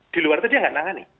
di luar itu dia nggak nangani